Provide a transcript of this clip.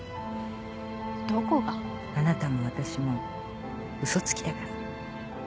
あなたも私も嘘つきだから。